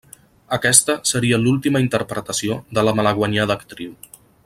Aquesta seria l'última interpretació de la malaguanyada actriu.